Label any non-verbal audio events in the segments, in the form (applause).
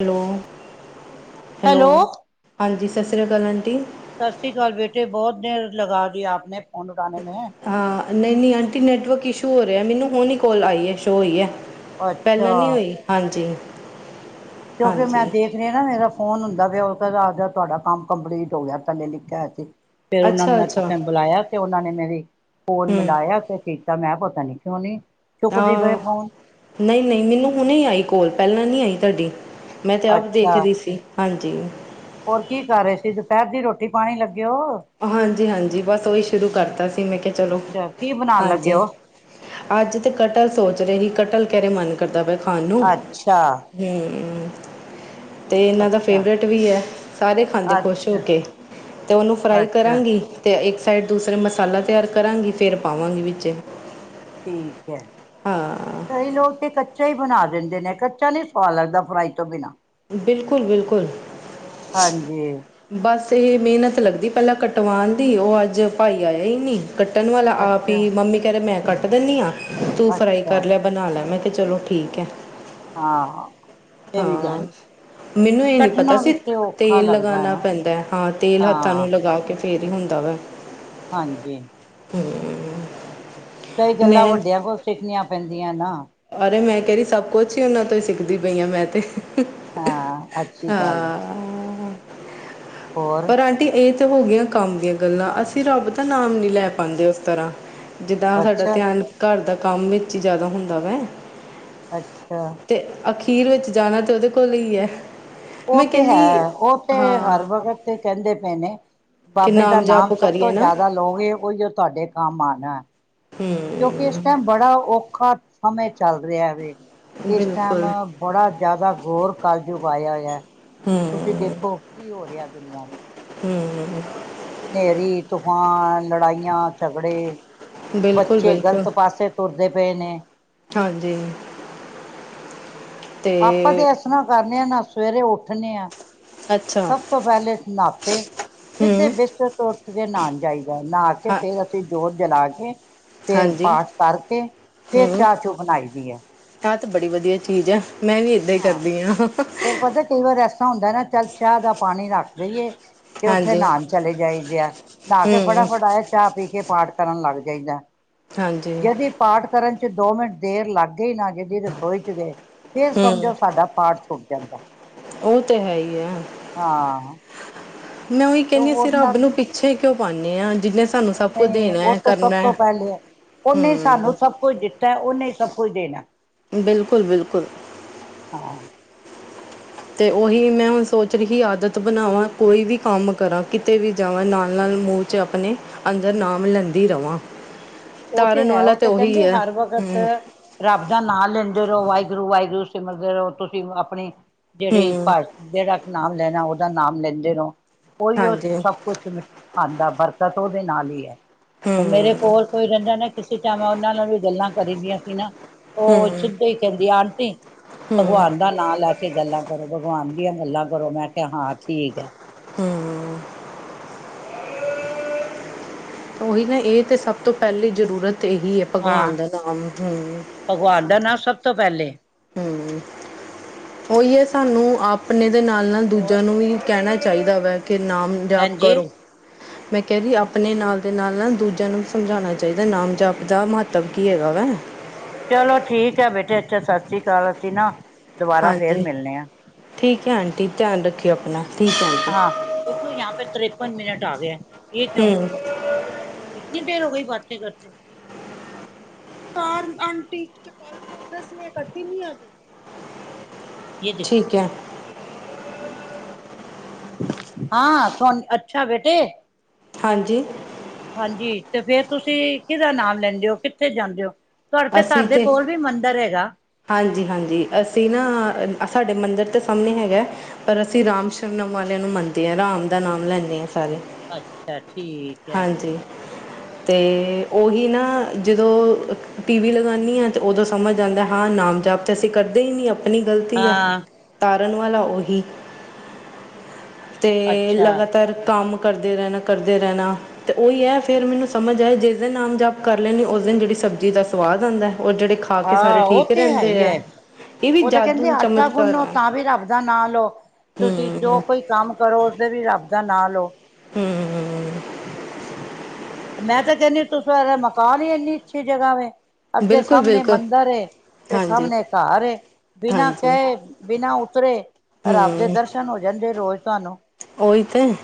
Hello, hello ਹਾਂਜੀ, ਸਤਿ ਸ਼੍ਰੀ ਅਕਾਲ ਆਂਟੀ। ਸਤਿ ਸ੍ਰੀ ਅਕਾਲ, ਬੇਟੇ ਬਹੁਤ ਦੇਰ ਲਗਾ ਦੀ ਆਪ ਨੇ ਫੋਨ ਉਠਾਨੇ ਮੇਂ। ਹਾਂ, ਨਹੀਂ ਨਹੀਂ ਆਂਟੀ ਨੈਟਵਰਕ ਇਸ਼ੂ ਹੋ ਰਿਹਾ। ਮੈਨੂੰ ਹੁਣ ਹੀ ਕੋਲ ਆਈ ਹੈ, ਸ਼ੋਅ ਹੋਈ ਹੈ। ਅੱਛਾ ਪਹਿਲਾਂ ਨੀ ਹੋਈ? ਹਾਂਜੀ। ਕਿਉਂਕਿ ਹਾਂਜੀ ਮੈਂ ਦੇਖ। ਜਿਹੜਾ ਮੇਰਾ ਫੋਨ ਹੁੰਦਾ ਪਿਆ, ਉਹ ਪਹਿਲਾਂ ਕਹਿੰਦਾ ਤੁਹਾਡਾ ਕੰਮ ਕੰਪਲੀਟ ਹੋ ਗਿਆ, ਥੱਲੇ ਲਿਖਿਆ ਹੋਇਆ ਸੀ। ਫੇਰ ਉਹਨਾਂ ਨੂੰ ਅੱਛਾ ਮੈਂ ਅੱਛਾ ਕਿਸੇ ਨੂੰ ਬੁਲਾਇਆ। ਤੇ ਉਹਨਾਂ ਨੇ ਮੇਰੀ, ਫੋਨ ਹਮ ਮਿਲਾਇਆ ਤੇ ਕੀਤਾ ਮੈਂ ਪਤਾ ਨੀ ਕਿਉਂ ਨਹੀਂ। ਹਾਂ, ਨਈਂ-ਨਈਂ ਮੈਨੂੰ ਹੁਣੇ ਆਈ ਕੋਲ ਪਹਿਲਾਂ ਨਹੀਂ ਆਈ ਤੁਹਾਡੀ। ਮੈਂ ਤਾਂ ਆਪ ਦੇਖ ਅੱਛਾ ਰਹੀ ਸੀ, ਹਾਂਜੀ। ਹੋਰ ਕੀ ਕਰ ਰਹੇ ਸੀ, ਦੁਪਹਿਰ ਦੀ ਰੋਟੀ-ਪਾਣੀ ਲੱਗੇ ਓ? ਹਾਂਜੀ-ਹਾਂਜੀ, ਬਸ ਉਹੀ ਸ਼ੁਰੂ ਕਰਤਾ ਸੀ ਮੈਂ ਕਿਹਾ ਚਲੋ, ਅੱਛਾ ਕੀ ਬਣਾਉਣ ਲੱਗੇ ਹਾਂਜੀ। ਹੋ ਅੱਜ ਤੇ ਕਟਲ ਸੋਚ ਰਹੀ ਕਟਲ ਕਹਿੰਦੇ ਮਨ ਕਰਦਾ ਪਿਆ ਖਾਣ ਨੂੰ। ਅੱਛਾ ਹੂੰ। ਤੇ ਇਹਨਾਂ ਦਾ ਅੱਛਾ ਫੇਵਰੇਟ ਵੀ ਐ, ਸਾਰੇ ਖਾਂਦੇ ਖੁਸ਼ ਹੋ ਅੱਛਾ ਕੇ, ਤੇ ਉਹਨੂੰ ਫਰਾਈ ਅੱਛਾ ਕਰਾਂਗੀ। ਤੇ ਇੱਕ ਸਾਈਡ ਦੂਸਰੇ ਮਸਾਲਾ ਤਿਆਰ ਕਰਾਂਗੀ ਫੇਰ ਪਾਵਾਂਗੀ ਵਿੱਚ। ਠੀਕ ਐ, ਹਾਂ ਕਈ ਲੋਕ ਤੇ ਕੱਚੇ। ਕੱਚਾ ਈ ਬਣਾ ਦਿੰਦੇ ਨੇ, ਕੱਚਾ ਨੀ ਸਵਾਦ ਲੱਗਦਾ ਫਰਾਈ ਤੋਂ ਬਿਨਾਂ। ਬਿਲਕੁਲ-ਬਿਲਕੁਲ। ਹਾਂਜੀ। ਬਸ ਇਹ ਮਿਹਨਤ ਲੱਗਦੀ ਪਹਿਲਾਂ ਕਟਵਾਉਣ ਦੀ, ਉਹ ਅੱਜ ਭਾਈ ਆਇਆ ਹੀ ਨਹੀਂ। ਕੱਟਣ ਵਾਲਾ ਆਪ ਹੀ, ਅੱਛਾ ਮੰਮੀ ਕਹਿ ਰਹੇ ਮੈਂ ਕੱਟ ਦੇਨੀ ਆਂ, ਤੂੰ ਫਰਾਈ ਅੱਛਾ ਕਰ ਲੈ। ਬਣਾ ਲੈ। ਮੈਂ ਕਿਹਾ ਚਲੋ ਠੀਕ ਹੈ। ਹਾਂ, ਇਹ ਵੀ ਹਾਂ ਜਾਣੀ। ਮੈਨੂੰ ਇਹ ਨੀ ਪਤਾ ਸੀ ਤੇਲ ਲੱਗਦਾ ਲਗਾਉਣਾ ਨਾ ਪੈਂਦਾ ਹੈ, ਹਾਂ ਤੇਲ ਹੱਥਾਂ ਹਾਂ ਨੂੰ ਲਗਾ ਕੇ। ਫਿਰ ਈ ਹੁੰਦਾ ਵਾ। ਹਾਂਜੀ। ਕਈ ਗੱਲਾਂ ਮੈਂ ਵੱਡਿਆਂ ਕੋਲੋਂ ਸਿੱਖਣੀਆਂ ਪੈਂਦੀਆਂ ਨਾ। ਅਰੇ ਮੈਂ ਕਹਿ ਰਹੀ ਸਭ ਕੁਛ ਹੀ ਉਹਨਾਂ ਤੋਂ ਹੀ ਸਿੱਖਦੀ ਪਈ ਹਾਂ, ਮੈਂ ਤੇ। ਹਾਂ ਅੱਛੀ ਗੱਲ ਹੈ ਹਾਂ, ਹੋਰ ਪਰ ਆਂਟੀ। ਆਂਟੀ ਇਹ ਤੇ ਹੋ ਗਈਆਂ ਕੰਮ ਦੀਆਂ ਗੱਲਾਂ, ਅਸੀਂ ਰੱਬ ਦਾ ਨਾਮ ਨੀ ਲੈ ਪਾਉਂਦੇ ਉਸ ਤਰ੍ਹਾਂ। ਜਿੱਦਾਂ ਸਾਡਾ ਅੱਛਾ ਧਿਆਨ ਘਰ ਦਾ ਕੰਮ ਵਿੱਚ ਹੀ ਜ਼ਿਆਦਾ ਹੁੰਦਾ ਵੈ। ਅੱਛਾ। ਤੇ ਅਖੀਰ ਵਿੱਚ ਜਾਣਾ ਤਾਂ ਉਹਦੇ ਕੋਲ ਹੀ ਹੈ। ਉਹ ਮੈਂ ਤੇ ਕਹਿੰਦੀ ਹੈ, ਉਹ ਤੇ ਹਰ ਹਾਂ ਵਕਤ। ਤੇ ਕਹਿੰਦੇ ਪਏ ਨੇ, ਕਿ ਬਾਬੇ ਦਾ ਨਾਮ ਜਾਪ ਸਭ ਕਰੀਏ ਤੋਂ ਨਾ ਜ਼ਿਆਦਾ ਲਓਗੇ। ਉਹੀ ਓ ਤੁਹਾਡੇ ਕੰਮ ਆਨਾ। ਹਮ। ਕਿਉਂਕਿ ਇਸ ਟਾਈਮ ਬੜਾ ਔਖਾ ਸਮੇਂ ਚੱਲ ਰਿਹਾ ਵੇ। ਇਸ ਟਾਈਮ ਬਿਲਕੁਲ ਬੜਾ ਜਿਆਦਾ ਘੌਰ ਕਲਜੁਗ ਆਇਆ ਹੋਇਆ। ਹਮ। ਤੁਸੀਂ ਦੇਖੋ, ਕੀ ਹੋ ਰਿਹਾ ਦੁਨੀਆਂ 'ਚ। ਹਮ ਹਮ। ਹਨੇਰੀ, ਤੂਫਾਨ, ਲੜਾਈਆਂ-ਝਗੜੇ, ਬਿਲਕੁਲ ਬੱਚੇ ਬਿਲਕੁਲ ਗਲਤ ਪਾਸੇ। ਤੁਰਦੇ ਪਏ ਨੇ। ਹਾਂਜੀ। ਤੇ ਆਪਾਂ ਤੇ ਇਸ ਤਰ੍ਹਾਂ ਕਰਨੇ ਆ ਨਾ, ਸਵੇਰੇ ਉੱਠਣੇ ਆਂ। ਅੱਛਾ ਸਭ ਤੋਂ ਪਹਿਲੇ ਨਾਤੇ, ਸਿੱਧੇ ਹੂੰ ਬਿਸਤਰ ਤੋਂ ਉੱਠ ਕੇ ਨਹਾਉਣ ਜਾਈਦਾ। ਨਹਾ ਕੇ, ਹਾਂ ਫੇਰ ਅਸੀਂ ਜੋਤ ਜਲਾ ਕੇ। ਫੇਰ ਹਾਂਜੀ ਪਾਠ ਕਰਕੇ ਫੇਰ ਚਾਹ-ਚੂ ਬਣਾਈ ਦੀ ਹੈ। ਐ ਤੇ ਬੜੀ ਵਧੀਆ ਚੀਜ਼ ਐ, ਮੈਂ ਵੀ ਏਦਾਂ ਹੀ ਕਰਦੀ ਹਾਂ। ਤੇ ਪਤਾ ਕਈ ਵਾਰ ਏਸ ਤਰ੍ਹਾਂ। ਏਦਾਂ ਹੁੰਦਾ ਨਾ, ਚੱਲ ਚਾਹ ਦਾ ਪਾਣੀ ਰੱਖ ਦੇਈਏ। ਤੇ ਉੱਥੇ ਹਾਂਜੀ ਨਹਾਨ ਚਲੇ ਜਾਈਦਾ ਨਹਾ ਕੇ ਹੂੰ ਫਟਾਫਟ ਆਏ ਚਾਹ ਪੀ ਕੇ ਪਾਠ ਕਰਨ ਲੱਗ ਜਾਈਦਾ। ਹਾਂਜੀ ਜਦੀ ਪਾਠ ਕਰਨ ਚ ਦੋ ਮਿੰਟ ਦੇਰ ਲੱਗ। ਜੇ ਲੱਗ ਗਈ ਰਸੋਈ ਚ ਦੇ ਫਿਰ ਸਮਝੋ ਹੂੰ ਸਾਡਾ ਪਾਠ ਛੁੱਟ ਜਾਂਦਾ। ਉਹ ਤੇ ਹੈ ਹੀ ਆ। ਹਾਂ। ਮੈਂ ਉਹੀ ਤੇ ਕਹਿੰਦੀ ਹੋਰ ਅਸੀਂ ਰੱਬ ਨਾਲ ਨੂੰ ਪਿੱਛੇ ਕਿਉਂ ਪਾਉਨੇ ਹਾਂ। ਜਿੰਨੇ ਨਹੀਂ ਨਹੀਂ, ਉਹ ਤੇ ਸਭ ਤੋਂ ਪਹਿਲੇ ਹੈ, ਉਹਨੇ ਸਾਨੂੰ ਹੂੰ ਸਭ ਕੁਝ ਦਿੱਤਾ ਉਹਨੇ ਹੀ ਸਭ ਕੁਝ ਦੇਣਾ। ਬਿਲਕੁਲ ਬਿਲਕੁਲ। ਹਾਂ। ਤੇ ਉਹੀ ਮੈਂ ਹੁਣ ਸੋਚ ਰਹੀ ਆਦਤ ਬਣਾਵਾਂ, ਕੋਈ ਵੀ ਕੰਮ ਕਰਾਂ, ਕਿਤੇ ਵੀ ਜਾਵਾਂ ਨਾਲ-ਨਾਲ ਮੂੰਹ। 'ਚ ਆਪਣੇ ਅੰਦਰ ਨਾਮ ਲੈਂਦੀ ਰਵਾਂ। ਉਹ ਤੇ ਤਾਰਨ ਹੈ। ਵਾਲਾ ਉਹ ਤਾਂ ਤੇ ਉਹੀ ਕਹਿੰਦੇ ਹੈ ਹਰ ਵਕਤ ਹੂੰ ਰੱਬ ਦਾ ਨਾਂ ਲੈਂਦੇ ਰਹੋ। ਵਾਹਿਗੁਰੂ ਵਾਹਿਗੁਰੂ ਸਿਮਰਦੇ ਰਹੋ। ਤੁਸੀਂ ਆਪਣੀ ਜਿਹੜੀ ਹੂੰ ਭਾਸ਼ ਜਿਹੜਾ ਨਾਮ ਲੈਣਾ। ਉਹਦਾ ਨਾਮ ਲੈਂਦੇ ਰਹੋ। ਉਹੀ ਉਹ ਹਾਂਜੀ ਸਬ ਕੁਛ ਆਉਂਦਾ ਬਰਕਤ ਉਹਦੇ ਨਾਲ ਹੀ ਹੈ। ਹੁਣ ਮੇਰੇ ਕੋਲ ਕੋਈ ਰਹਿੰਦਾ ਨਾ ਕਿਸੇ ਟਾਈਮ ਉਹਨਾਂ ਨਾਲ ਵੀ ਗੱਲਾਂ ਕਰੀ ਦੀਆਂ ਸੀ ਨਾ। ਉਹ ਤੇ ਕਹਿੰਦੀ ਆਂਟੀ। ਭਗਵਾਨ ਹੂੰ-ਹੂੰ-ਹੂੰ-ਹੂੰ ਦਾ ਨਾਂ ਲੈ ਕੇ ਗੱਲਾਂ ਕਰੋ ਭਗਵਾਨ ਦੀਆਂ ਗੱਲਾਂ ਕਰੋ ਮੈਂ ਕਿਹਾ ਹਾਂ ਠੀਕ ਹੈ। ਹਮ। ਉਹੀ ਨਾ ਇਹ ਤੇ ਸਭ ਤੋਂ ਪਹਿਲੀ ਜ਼ਰੂਰਤ ਇਹੀ ਹੈ ਹਾਂ ਭਗਵਾਨ ਦਾ ਨਾਮ ਹਮ। ਭਗਵਾਨ ਦਾ ਨਾਮ ਸਭ ਤੋਂ ਪਹਿਲੇ। ਹਮ ਉਹੀ ਹੈ ਸਾਨੂੰ ਆਪਣੇ ਦੇ ਨਾਲ ਨਾਲ ਹੋਰ ਦੂਜਿਆਂ ਨੂੰ ਵੀ। ਕਹਿਣਾ ਚਾਹੀਦਾ ਵਾ ਕਿ ਨਾਮ ਜਪ ਕਰੋ। ਹ। ਮੈਂ ਕਹਿ ਰਹੀਂ, ਆਪਣੇ ਨਾਲ ਦੇ ਨਾਲ ਨਾ ਦੂਜਿਆਂ ਨੂੰ ਸਮਝਾਉਣਾ ਚਾਹੀਦਾ, ਨਾਮ -ਜਪ ਦਾ ਮਹਾਤਮ ਕੀ ਹੈਗਾ ਵਾ। ਚਲੋ ਠੀਕ ਹੈ ਬੇਟੇ, ਅੱਛਾ ਸਤਿ ਸ੍ਰੀ ਅਕਾਲ, ਅਸੀਂ ਨਾ ਦੁਬਾਰਾ ਫੇਰ ਹਾਂਜੀ, ਮਿਲਣੇ ਆ ਠੀਕ ਹੈ ਆਂਟੀ, ਧਿਆਨ ਰੱਖਿਓ ਆਪਣਾ। ਠੀਕ ਹੈ ਆਂਟੀ ਹਾਂ ਤੂੰ, ਜਹਾ ਪੇ ਤ੍ਰਰੇਪਨ ਮਿੰਟ ਹਟਾ ਦੇ, ਜੇ ਕਿਉਂ? ਹੂੰ ਏਤਨੀ ਦੇਰ ਹੋ, ਗਈ ਬਾਤ ਕਰਤੇ। ਚਾਰ ਕ ਪ੍ਰੋਗਸ ਨੇ ਕੱਢ ਨੀ ਆਦੀ। (inaudible) ਇਹ ਠੀਕ ਹੈ। ਹ। (unintelligible) ਹਾਂ, ਸੁਣ, ਅੱਛਾ ਬੇਟੇ। ਹਾਂਜੀ। ਹਾਂਜੀ, ਤੇ ਫੇਰ ਤੁਸੀਂ ਕਿਹਦਾ ਨਾਮ ਲੈਂਦੇ ਹੋ, ਕਿੱਥੇ ਜਾਂਦੇ ਹੋ ਤੁਹਾਡੇ, ਤੇ ਘਰ ਦੇ ਕੋਲ ਵੀ, ਮੰਦਿਰ ਹੈਗਾ। ਹਾਂਜੀ -ਹਾਂਜੀ ਅਸੀਂ ਨਾ, ਸਾਡੇ ਮੰਦਿਰ ਦੇ ਸਾਹਮਣੇ ਹੈਗਾ। ਪਰ ਅਸੀਂ, ਰਾਮ ਹਾਂ ਸ਼ਵਨਮ ਵਾਲਿਆਂ ਨੂੰ ਮੰਨਦੇ ਹਾਂ। ਰਾਮ ਦਾ ਨਾਮ ਲੈਂਦੇ, ਹਾਂ ਸਾਰੇ। ਅੱਛਾ, ਠੀਕ ਹੈ। ਹਾਂਜੀ ਤੇ, ਉਹੀ ਨਾ ਜਦੋਂ ਟੀ, ਵੀ, ਲਗਾਉਂਦੀ ਹਾਂ ਤੇ ਉਦੋਂ ਸਮਝ ਆਉਦੀਂ ਹਾਂ, ਨਾਮ -ਜਪ ਤੇ ਅਸੀਂ ਕਰਦੇ ਹੀ ਨਹੀਂ, ਆਪਣੀ ਗ਼ਲਤੀ ਹੈ। ਹਾਂ ਤਾਰਨ ਵਾਲਾ ਉਹੀ, ਤੇ ਅੱਛਾ ਲਗਾਤਾਰ ਕੰਮ ਕਰਦੇ ਰਹਿਣਾ, ਕਰਦੇ ਰਹਿਣਾ। ਤੇ ਉਹੀ ਹੈ ਫੇਿਰ, ਮੈਨੂੰ ਸਮਝ ਆਏ, ਜਿਸ ਦਿਨ ਨਾਮ ਜਪ ਕਰ ਲੈਂਣੀ ਉਸ ਦਿਨ, ਜਿਹੜੀ ਸਬਜ਼ੀ ਦਾ ਸਵਾਦ, ਆਉਦਾ ਜਿਹੜੇ ਖਾ ਕੇ ਸਾਰੇ ਆ, ਉਹ ਠੀਕ ਤੇ ਹੈ ਰਹਿੰਦੇ ਹੀ ਹੈ। ਆ ਇਹ ਵੀ ਉਹ ਤਾਂ ਕਹਿੰਦੇ, ਜਾਦੂ ਆਟਾ ਚਮਤਕਾਰ ਗੁੰਨੋ ਹੈ ਤਾਂ ਵੀ ਰੱਬ ਦਾ ਨਾ ਲਓ ਤੁਸੀਂ, ਜੋ ਹੂੰ, ਕੋਈ ਕੰਮ ਜ਼ੋ ਕਰੋ, ਓਧਰ ਵੀ ਰੱਬ ਦਾ ਨਾ ਲਓ। ਤੇ ਮੈਂ ਤਾਂ ਕਹਿੰਦੀ, ਤੁਸਾਂ ਦਾ ਮਕਾਨ ਹੀ ਇੰਨੀ ਅੱਛੀ, ਜਗ੍ਹਾ ਵ ਅੱਗੇ ਸਾਹਮਣੇ, ਬਿਲਕੁਲ-ਬਿਲਕੁਲ, ਮੰਦਿਰ ਏ ਹਾਂਜੀ। ਸਾਹਮਣੇ ਘਰ ਏ ਬਿਨਾਂ ਹਾਂਜੀ, ਕਹੇ ਬਿਨਾਂ ਉਤਰੇ, ਰੱਬ ਦੇ ਦਰਸ਼ਨ ਹੋ ਜਾਂਦੇ ਰੋਜ਼ ਤੁਹਾਨੂੰ। ਓਹੀ ਤੇ।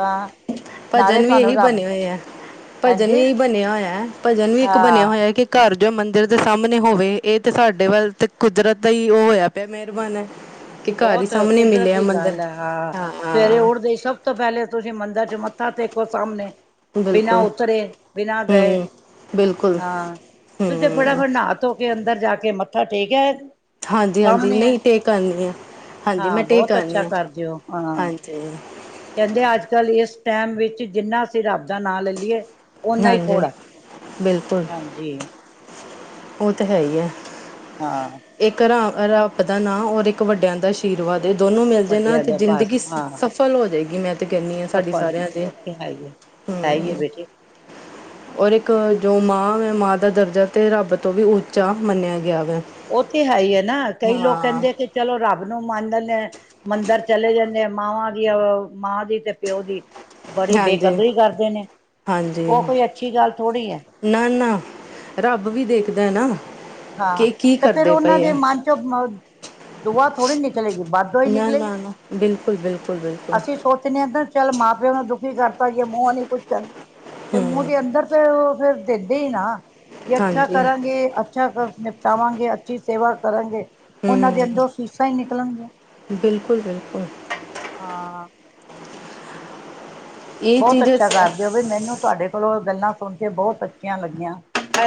ਆਾਂ। ਭਜਨ ਵੀ ਇਹੀ ਬਣੇ ਹੋਏ ਹੈ, ਭਜਨ ਵੀ ਹਾਂਜੀ ਇਹੀ ਬਣਿਆ ਹੋਇਆ ਹੈ, ਭਜਨ ਵੀ ਇੱਕ ਬਣਿਆ ਹਾਂ ਹੋਇਆ ਕਿ ਘਰ ਜੋ ਮੰਦਿਰ ਦੇ ਸਾਹਮਣੇ ਹੋਵੇ, ਇਹ ਤੇ ਸਾਡੇ ਵੱਲ ਤੇ ਕੁਦਰਤ ਦਾ, ਹੀ ਉਹ ਹੋਇਆ ਪਿਆ ਮਿਹਰਬਾਨ ਹੈ। ਕਿ ਘਰ ਹੀ ਬਹੁਤ, ਸਾਹਮਣੇ ਕੁਦਰਤ ਮਿਲਿਆ ਦੀ ਮੰਦਿਰ। ਗੱਲ ਹੈ ਆਹ, ਸਵੇਰੇ ਹਾਂ, ਉੱਠਦੇ, ਹੀ ਸਭ ਸਭ ਤੋਂ ਪਹਿਲੇ, ਤੁਸੀਂ ਮੰਦਿਰ ਚ ਮੱਥਾ ਟੇਕੋ ਸਾਹਮਣੇ। ਬਿਨਾਂ ਬਿਲਕੁਲ, ਉਤਰੇ, ਬਿਨਾਂ ਗਏ, ਹੂੰ, ਬਿਲਕੁਲ, ਹਾਂ ਉੇ ਹੂੰ। ਫਟਾਫਟ ਨਾਹ ਕਿਥੋਂ ਕੇ ਅੰਦਰ ਜਾ ਕੇ, ਮੱਥਾ ਟੇਕਿਆ। ਹਾਂਜੀ- ਹਾਂਜੀ ਸਾਹਮਣੇ ਹੈ ਨਹੀਂ ਟੇਕ ਆਨੀ ਆ, ਹਾਂਜੀ ਹਾਂ ਮੈਂ ਟੇਕ ਬਹੁਤ ਅੱਛਾ ਆਨੀ ਕਰਦੇ ਹੋ ਹਾਂ ਹਾਂਜੀ। ਕਹਿੰਦੇ, ਅੱਜ- ਕੱਲ੍ਹ ਇਸ ਟਾਈਮ ਵਿੱਚ, ਜਿੰਨਾ ਅਸੀਂ ਰੱਬ ਦਾ ਨਾਂ ਲੈ ਲਈਏ, ਓਨਾ ਹੀ ਹਾਂਜੀ। ਥੋੜ੍ਹਾ। ਬਿਲਕੁਲ, ਹਾਂਜੀ ਉਹ ਤੇ ਹੈ ਹੀ ਹੈ। ਹਾਂ। ਇੱਕ ਰਾ ਰੱਬ ਦਾ ਨਾਂ, ਔਰ ਇੱਕ ਵੱਡਿਆਂ, ਦਾ ਆਸ਼ੀਰਵਾਦ। ਜੇ ਦੋਨੋ ਮਿਲ ਜਾ ਨਾ, ਵੱਡਿਆਂ ਤੇ ਦਾ ਜ਼ਿੰਦਗੀ ਬਸ ਹਾਂ ਸਫਲ ਹੋ ਜਾਏਗੀ। 'ਮੈਂ ਤੇ ਕਹਿੰਨੀ ਆ ਸਾਡੀ ਸਫਲ ਹੁੰ ਸਾਰਿਆਂ ਦੀ ਉਹ ਤੇ ਹੈ ਹੀ ਹੈ ਹੀਂ ਹੈ ਬੇਟੇ। ਔਰ ਇੱਕ ਜੋ ਮਾਂ ਹੈ, ਮਾਂ ਦਾ ਦਰਜਾ ਤੇ ਰੱਬ ਤੋਂ ਵੀ ਉੱਚਾ ਮੰਨਿਆ, ਗਿਆ ਵਾ। ਉਹ ਤੇ, ਹੈ ਹੀ ਹੈ ਨਾ, ਕਈ ਲੋਕ ਕਹਿੰਦੇ, ਕਿ ਚਲੋ ਰੱਬ ਨੂੰ ਮੰਨਦੇ, ਮੰਦਿਰ ਚਲੇ ਜਾਂਦ, ਮਾਵਾਂ ਦੀ ਮਾਂ ਦੀ, ਤੇ ਪਿਓ ਦੀ। ਬੜੀ, ਹਾਂਜੀ ਬੇਕਦਰੀ ਕਰਦੇ ਨੇ, ਹਾਂਜੀ ਉਹ ਕੋਈ ਅੱਛੀ ਗੱਲ ਥੋੜ੍ਹੀ ਹੈ। ਨਾ- ਨਾ ਰੱਬ ਵੀ ਦੇਖਦਾ ਨਾ। ਹਾਂ, ਕਿ ਕੀ ਤੇ ਫੇਰ ਕਰਦੇ ਉਹਨਾਂ ਪਏ ਦੇ ਆ ਮਨ ਚ ਅ ਦੁਆ ਥੋੜੀ ਨਿਕਲੇਗੀ ਬਦਦੁਆ ਹੀ ਨਾ ਨਿਕਲੇਗੀ ਨਾ ਨਾ ਬਿਲਕੁਲ ਬਿਲਕੁਲ ਬਿਲਕੁਲ ਅਸੀ ਸੋਚਣੇ ਹਾਂ ਚੱਲ ਮਾਂ ਪਿਓ ਨੂੰ ਦੁਖੀ ਕਰਤਾ ਜੇ ਮੂੰਹ ਨੀ ਕੁੱਛ ਕਹਿੰਦੇ ਤੇ ਮੂੰਹ ਦੇ ਅੰਦਰ ਤੇ ਉਹ ਫੇਰ ਦਿੰਦੇ ਹੀ ਨਾ, ਵੀ ਅੱਛਾ ਹਾਂਜੀ ਕਰਾਂਗੇ। ਅੱਛਾ ਕਰ ਨਿਪਟਾਵਾਂਗੇ, ਅੱਛੀ ਸੇਵਾ ਕਰਾਂਗੇ ਉਹਨਾਂ ਦੇ ਹੂੰ ਅੰਦਰੋਂ ਅਸੀਸਾ ਹੀ ਨਿਕਲਣਗੀਆ ਬਿਲਕੁਲ- ਬਿਲਕੁਲ। ਹਾਂ। ਇਹ ਬਹੁਤ ਚੀਜ਼ ਅੱਛਾ ਅਸ- ਕਰਦੇ ਹੋ ਵੀ ਮੈਨੂੰ ਤੁਹਾਡੇ ਕੋਲੋਂ ਗੱਲਾਂ ਸੁਣ ਕੇ ਬਹੁਤ ਅੱਛੀਆਂ ਲੱਗੀਆਂ।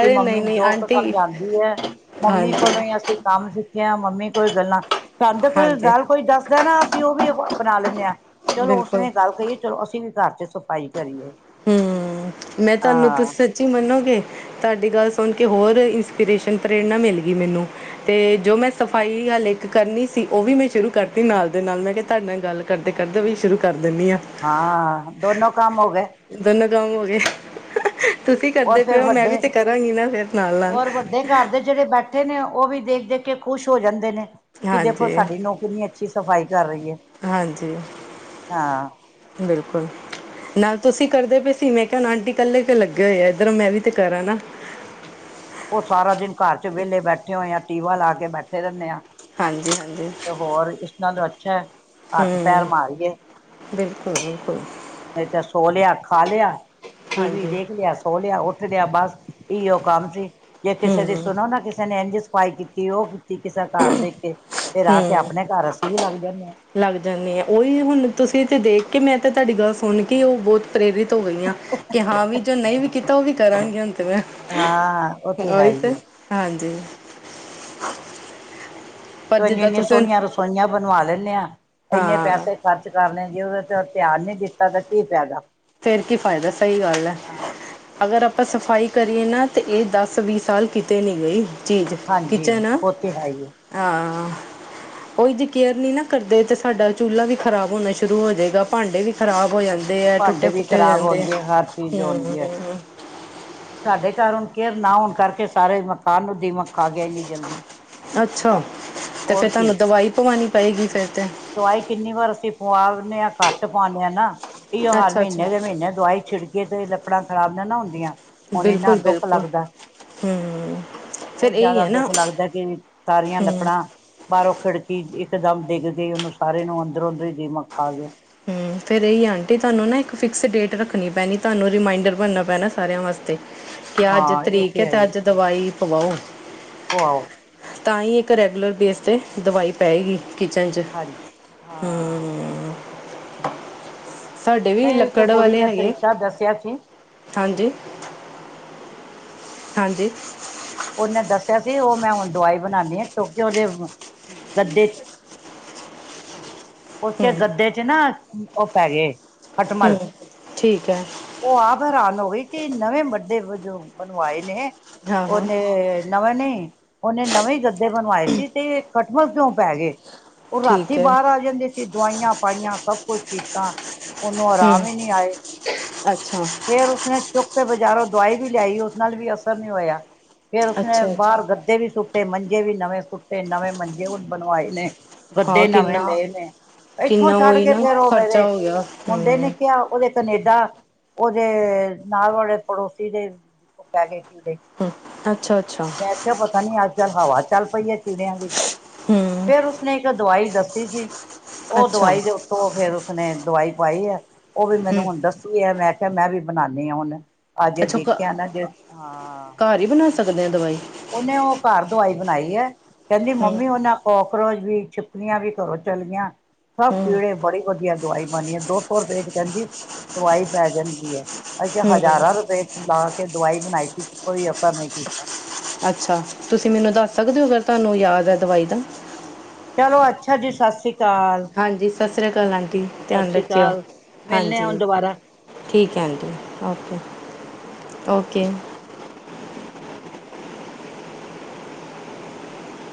ਕਿ ਮੰਮੀ ਨਹੀਂ ਨਹੀਂ ਜੋ ਕੁ ਆਂਟੀ ਸਮਝਾਉਂਦੀ ਹੈ ਮੰਮੀ ਹਾਂਜੀ ਕੋਲੋਂ ਹੀ ਅਸੀਂ ਕੰਮ ਸਿੱਖਿਆ, ਮੰਮੀ ਕੋਲ ਗੱਲਾਂ। ਸਾਨੂੰ ਕੋਈ ਹਾਂਜੀ ਗੱਲ ਕੋਈ ਦੱਸਦਾ ਨਾ ਅਸੀਂ ਉਹ ਵੀ ਅਪਣਾ ਲੈਂਦੇ ਹਾਂ ਚਲੋ ਬਿਲਕੁਲ ਉਸਨੇ ਗੱਲ ਕਹੀ ਚਲੋ ਅਸੀਂ ਵੀ ਘਰ ਚ ਸਫ਼ਾਈ ਕਰੀਏ। ਹਮ, ਮੈਂ ਤੁਹਾਨੂੰ ਹਾਂ ਤੁਸੀਂ ਸੱਚੀ ਮੰਨੋਗੇ। ਤੁਹਾਡੀ ਗੱਲ ਸੁਣ ਕੇ ਹੋਰ ਇੰਸਪੀਰੇਸ਼ਨ ਪ੍ਰੇਰਨਾ ਮਿਲ ਗਈ ਮੈਨੂੰ। ਤੇ ਜੋ ਮੈਂ ਸਫ਼ਾਈ ਹਲੇ ਇੱਕ ਕਰਨੀ ਸੀ ਉਹ ਵੀ ਮੈਂ ਸ਼ੁਰੂ ਕਰਤੀ ਨਾਲ ਦੇ ਨਾਲ ਮੈਂ ਕਿਹਾ ਤੁਹਾਡੇ ਨਾਲ ਗੱਲ ਕਰਦੇ- ਕਰਦੇ ਵੀ ਸ਼ੁਰੂ ਕਰ ਦਿੰਦੀ ਹਾਂ। ਹਾਂ ਦੋਨੋ ਕੰਮ ਹੋ ਗਏ। ਦੋਨੋ ਕੰਮ ਹੋ ਗਏ, ਤੁਸੀਂ ਔਰ ਕਰਦੇ ਫਿਰ ਪਏਓ ਮੈਂ ਵੱਡੇ ਵੀ ਤੇ ਕਰਾਂਗੀ ਨਾ ਫਿਰ ਨਾਲ- ਨਾਲ। ਔਰ ਵੱਡੇ ਘਰ ਦੇ ਜਿਹੜੇ ਬੈਠੇ ਨੇ, ਉਹ ਵੀ ਦੇਖ- ਦੇਖ ਕੇ ਖੁਸ਼ ਹੋ ਜਾਂਦੇ ਨੇ, ਕਿ ਦੇਖੋ ਹਾਂਜੀ ਸਾਡੀ ਨੂੰ ਕਿੰਨੀ ਅੱਛੀ ਸਫ਼ਾਈ ਕਰ ਰਹੀ ਹੈ ਹਾਂਜੀ, ਹਾਂ ਬਿਲਕੁਲ ਨਾਲ ਤੁਸੀਂ ਕਰਦੇ ਪਏ ਸੀ ਮੈਂ ਕਿਹਾ ਆਂਟੀ ਇਕੱਲੇ ਕਿਉੰ ਲੱਗੇ ਹੋਏ ਆ ਇਧਰ ਮੈਂ ਵੀ ਤੇ ਕਰਾਂ ਨਾ ਉਹ ਸਾਰਾ ਦਿਨ ਘਰ ਚ ਵਿਹਲੇ ਬੈਠੇ ਹੋਏ ਆ, ਟੀਵਾ ਲਾ ਕੇ ਬੈਠੇ ਰਹਿੰਦੇ ਆਂ ਹਾਂਜੀ- ਹਾਂਜੀ ਹੋਰ ਇਸ ਨਾਲ ਅੱਛਾ, ਹੱਥ ਪੈਰ ਮਾਰੀਏ ਬ ਕੋਈ (unintelligible) ਨਹੀਂ ਤਾਂ ਸੋ ਲਿਆ, ਖਾ ਲਿਆ, ਟੀ ਵੀ ਹਾਂਜੀ ਦੇਖ ਲਿਆ ਖੋ ਲਿਆ ਉੱਠ ਲਿਆ ਬਸ ਇ ਉਹ ਕੰਮ ਸੀ ਜੇ ਕਿਸੇ ਦੀ ਹੂੰ ਸੁਣੋ ਨਾ ਕਿਸੇ ਨੇ ਇੰਝ ਸਫਾਈ ਕੀਤੀ ਕੀ ਉਹ ਕੀਤੀ ਕਿਸੇ ਘਰ ਦੇਖ ਕੇ, ਫਿਰ ਆ ਕੇ ਹੂੰ ਆਪਣੇ ਘਰ ਅਸੀਂ ਵੀ ਲੱਗ ਜਾਂਦੇ ਹਾਂ ਲੱਗ ਜਾਂਦੇ ਆ ਉਹੀ ਹੁਣ ਤੁਸੀਂ ਤੇ ਦੇਖ ਕੇ ਮੈਂ ਤਾਂ ਤੁਹਾਡੀ ਗੱਲ ਸੁਣ ਕੇ ਉਹ ਬਹੁਤ ਪ੍ਰੇਰਿਤ ਹੋ ਗਈ ਆ ਕਿ ਹਾਂ ਵੀ ਜੋ ਨਹੀਂ ਵੀ ਕੀਤਾ ਉਹ ਵੀ ਕਰਾਂਗੇ ਹੁਣ ਹਾਂ ਉਹ ਹੈ ਓਹੀ ਹੀ ਤੇ ਹੈ ਹਾਂਜੀ। ਪਰ ਤੂੰ ਇੰਨੀ- ਜਿੱਦਾਂ ਇੰਨੀ ਤੁਸੀਂ ਸੋਹਣੀਆਂ ਰਸੋਈਆਂ ਬਣਵਾ ਲੈਂਦੇ ਆ, ਇੰਨੇ ਹਾਂ ਪੈਸੇ ਖਰਚ ਕਰ ਲੇ ਜੇ ਉਹਦੇ ਤੇ ਧਿਆਨ ਨਹੀਂ ਦਿੱਤਾ ਤਾਂ ਕੀ ਫਾਇਦਾ ਫੇਰ ਕੀ ਫਾਇਦਾ, ਸਹੀ ਗੱਲ ਹੈ। ਹਾਂ ਅਗਰ ਆਪਾਂ ਸਫਾਈ ਕਰੀਏ ਨਾ ਤਾਂ ਇਹ ਦਸ -ਵੀਹ ਸਾਲ ਕਿਤੇ ਨਹੀਂ ਗਈ। ਜੀ-ਜੀ ਹਾਂਜੀ ਕਿਚਨ ਆ, ਉਹ ਤੇ ਹੈ ਹੀ ਹੈ ਹਾਂ ਉਹੀ ਤੇ ਕੇਅਰ ਨੀ ਨਾ ਕਰਦੇ ਤੇ ਸਾਡਾ ਚੁਲ੍ਹਾ ਵੀ ਖ਼ਰਾਬ ਹੋਣਾ ਸ਼ੁਰੂ ਹੋ ਜਾਏਗਾ ਭਾਂਡੇ ਵੀ ਖਰਾਬ ਹੋ ਜਾਂਦੇ ਦੇ ਆ, ਟੁੱਟੇ ਫ ਖਰਾਬ ਆਉਂਦੀਆ ਹਰ ਚੀਜ਼ ਆਉਂਦੀ ਹੈ। ਹੁਣ ਤੁਹਾਡੇ ਘਰ ਹੁਣ ਕੇਅਰ ਨਾ ਹੋਣ ਕਰਕੇ ਸਾਰੇ ਮਕਾਨ ਨੂੰ ਦੀਮਕ ਖਾ ਗਈ ਇੰਨੀ ਜਲਦੀ। ਅੱਛਾ, ਤੇ ਹੋਰ ਫੇਰ ਕੀ ਤੁਹਾਨੂੰ ਦਵਾਈ ਪਵਾਉਣੀ ਪਏਗੀ ਫੇਰ ਤੇ ਦਵਾਈ ਕਿੰਨੀ ਵਾਰ ਅਸੀਂ ਪਵਾ ਲੈਂਦੇ ਹਾਂ, ਘੱਟ ਪਾਉਂਦੇ ਹਾਂ ਨਾ ਇਹੀ ਹਰ ਅੱਛਾ ਅੱਛਾ ਮਹੀਨੇ ਦੇ ਮਹੀਨੇ ਦਵਾਈ ਛਿੜ ਕੇ ਤੇ ਲੱਕੜਾਂ ਖਰਾਬ ਨਾ ਨਾ ਹੁੰਦੀਆਂ ਹੁਣ ਇੰਨਾ ਬਿਲਕੁਲ ਦੁੱਖ ਬਿਲਕੁਲ ਲੱਗਦਾ ਹਮ ਫਿਰ ਬਹੁਤ ਇਹੀ ਜ਼ਿਆਦਾ ਹੈ ਨਾ ਦੁੱਖ ਲੱਗਦਾ ਕਿ ਸਾਰੀਆਂ ਹਮ ਲੱਕੜਾਂ ਬਾਹਰੋਂ ਖਿੜਕੀ ਇਕਦਮ ਡਿੱਗ ਗਈ ਉਹਨੂੰ ਸਾਰੇ ਨੂੰ ਅੰਦਰੋਂ ਅੰਦਰੋਂ ਹੀ ਦੀਮਕ ਖਾ ਗਿਆ ਹਮ, ਫਿਰ ਇਹੀ ਆਂਟੀ ਤੁਹਾਨੂੰ ਨਾ ਇੱਕ ਫਿਕਸ ਡੇਟ ਰੱਖਣੀ ਪੈਣੀ ਤੁਹਾਨੂੰ ਰੀਮਾਇਂਡਰ ਬਣਨਾ ਪੈਣਾ ਸਾਰਿਆਂ ਵਾਸਤੇ ਕਿਆ ਅੱਜ ਹਾਂ ਇਹ ਤਰੀਕ ਹੈ ਤੇ ਅੱਜ ਦਵਾਈ ਪਵਾਓ ਹੋ ਆਹੋ ਤਾਂ ਹੀ ਇੱਕ ਰੈਗੂਲਰ ਬੇਸ ਤੇ ਦਵਾਈ ਪਏਗੀ ਕਿਚਨ ਹਾਂਜੀ ਚ'ਹਮ। ਹਾਂ ਸਾਡੇ ਵੀ ਨਹੀਂ ਇੱਕ ਲੱਕੜ ਕੁੜੀ ਵਾਲੇ ਨੇ ਹੈਗੇ। ਤਰੀਕਾ ਦੱਸਿਆ ਸੀ ਹਾਂਜੀ। ਹਾਂਜੀ। ਉਹਨੇ ਦੱਸਿਆ ਸੀ ਉਹ ਮੈਂ ਹੁਣ ਦਵਾਈ ਬਣਾਉਦੀ ਹਾਂ। ਕਿਉਂਕਿ ਉਹਦੇ, ਗੱਦੇ ਹੂੰ ਉਸਕੇ ਗੱਦੇ ਚ' ਨਾ ਉਹ ਪੈ ਗਏ। ਖੱਟ ਮਲ। ਹੂੰ ਠੀਕ ਹੈ ਉਹ ਆਪ ਹੈਰਾਨ ਹੋ ਗਈ। ਕਿ ਨਵੇਂ ਵੱਡੇ ਜੋ ਬਣਵਾਏ ਨੇ। ਹਾਂ ਹਾਂ ਉਹਨੇ ਨਵੇਂ ਨਹੀਂ, ਉਹਨੇ ਨਵੇਂ ਗੱਦੇ ਬਣਵਾਏ ਸੀ ਤੇ ਖਟਮਲ ਕਿਉਂ ਪੈ ਗਏ। ਉਹ ਰਾਤੀ ਠੀਕ ਹੈ ਬਾਹਰ ਆ ਜਾਂਦੇ ਸੀ। ਦਵਾਈਆਂ ਪਾਈਆਂ, ਸਭ ਕੁਛ ਕੀਤਾ। ਉਹਨੂੰ ਹੂੰ ਆਰਾਮ ਹੀ ਨਹੀਂ ਆਏ। ਅੱਛਾ ਫੇਰ ਉਸਨੇ ਚੁੱਪ ਕੇ ਬਾਜ਼ਾਰੋਂ ਦਵਾਈ ਵੀ ਲਿਆਈ ਉਸ ਨਾਲ ਵੀ ਅਸਰ ਨੀ ਹੋਇਆ। ਫੇਰ ਉਸਨੇ ਅੱਛਾ ਬਾਹਰ ਅੱਛਾ ਗ ਕੇ ਵੀ ਸੁੱਟੇ, ਮੰਜੇ ਵੀ ਨਵੇਂ ਸੁੱਟੇ। ਨਵੇਂ ਮੰਜੇ ਹੁਣ ਬਣਵਾਏ ਨੇ। ਹਾਂ ਮੁੰਡੇ ਨਵੇਂ ਕਿੰਨਾ ਲਏ ਨੇ। ਇੱਥੋਂ ਕਿੰਨਾ ਛੱਡ ਉਹੀ ਕੇ ਨਾ ਫੇਰ ਉਹ ਮੇਰੇ ਖਰਚਾ ਹੋ ਗਿਆ ਮੁੰਡੇ ਨੇ ਹੂੰ ਕਿਹਾ, ਉਹਦੇ ਕਨੇਡਾ। ਉਹਦੇ ਨਾਲ ਵਾਲੇ ਪੜੋਸੀ ਦੇ, ਉਹ ਪੈ ਗਏ ਕੀੜੇ। ਹੂੰ, ਅੱਛਾ- ਅੱਛਾ। ਮੈਂ ਕਿਹਾਆ, ਪਤਾ ਨੀ ਅੱਜ ਕੱਲ ਹਵਾ ਚੱਲ ਪਈ ਹੈ ਕੀੜਿਆਂ ਦੀ। ਹੂ ਫਿਰ ਉਸਨੇ ਇੱਕ ਦਵਾਈ ਦੱਸੀ ਸੀ। ਉਹ ਅੱਛਾ ਦਵਾਈ ਦੇ ਉੱਤੋਂ ਫੇਰ ਉਸਨੇ ਦਵਾਈ ਪਾਈ ਹੈ। ਉਹ ਵੀ ਮੈਨੂੰ ਹੂੰ ਹੁਣ ਦੱਸੀ ਹੈ ਮੈਂ ਕਿਹਾ, ਮੈਂ ਵੀ ਬਣਾਉਦੀ ਹਾਂ ਹੁਣ ਅਜੇ ਅੱਛਾ ਘ ਦੇਖਿਆ ਨਾ ਜੇ ਹਾਂ। ਘਰ ਹੀ ਬਣਾ ਸਕਦੇ ਹਾਂ ਦਵਾਈ। ਉਹਹਨੇ ਉਹ ਘਰ ਦਵਾਈ ਬਣਾਈ ਹੈ। ਕਹਿੰਦੀ ਹੂੰ ਮੰਮੀ ਉਹਨਾ ਕਾਕਰੋਚ ਵੀ ਛੁਪਕੀਲਆਂ ਵੀ ਕਰੋ ਚੱਲ ਗੀਆਂ। ਸਭ ਹੂੰ ਕੀੜੇ ਬੜੀ ਵਧੀਆ ਦਵਾਈ ਬਨੀਦੀ ਹੈ। ਦੋ ਸੌ ਰੁਪਏ 'ਚ ਕਹਿੰਦੀ ਦਵਾਈ ਪੈ ਜਾਂਦੀ ਹੈ। ਅੱਸੀ ਹੂੰ ਹਜ਼ਾਰਾਂ ਰੁਪਏ ਲਾ ਕੇ ਦਵਾਈ ਬਣਾਈ ਸੀ ਤੇ ਕੋਈ ਅਸਰ ਨਹੀ ਕੀਤਾ। ਅਛਾ। ਤੁਸੀ ਮੈਨੂੰ ਦੱਸ ਸਕਦੇ ਹੋ ਅਗਰ ਤੁਹਾਨੂੰ ਯਾਦ ਹੈ ਦਵਾਈ ਦਾ ਚਲੋ ਅਛਾ ਜੀ। ਸਤਿ ਸ੍ਰੀ ਅਕਾਲ। ਹਾਂਜੀ, ਸਤਿ ਸ਼੍ਰੀ ਅਕਾਲ ਆਂਟੀ। ਸਤਿ ਧਿਆਨ ਸ੍ਰੀ ਰੱਖਿਓ। ਅਕਾਲ ਮਿਲਣੇ ਆ ਹੁਣ ਹਾਂਜੀ। ਦੁਬਾਰਾ ਠੀਕ ਹੈ ਆਂਟੀ। Okay- okay.